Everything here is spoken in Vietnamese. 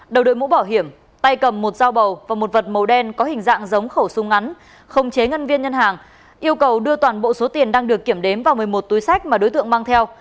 đầu đội mũ bảo hiểm tay cầm một dao bầu và một vật màu đen có hình dạng giống khẩu súng ngắn khống chế nhân viên ngân hàng yêu cầu đưa toàn bộ số tiền đang được kiểm đếm vào một mươi một túi sách mà đối tượng mang theo